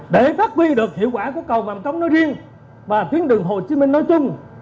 để phát huy được hiệu quả của cầu vàm cống nói riêng và tuyến đường hồ chí minh nói chung